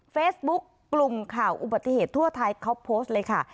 เฟซบุ๊คกลุ่มข่าวอุบัติเหตุทั่วไทยเขาโพสต์เลยค่ะ